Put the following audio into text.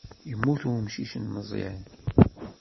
Yemmut umcic n Meẓyan.